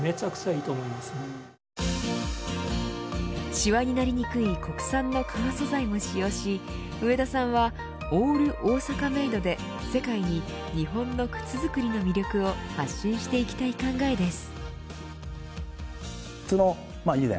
シワになりにくい国産の革素材も使用し上田さんはＡＬＬＯＳＡＫＡＭＡＤＥで世界に日本の靴作りの魅力を発信していきたい考えです。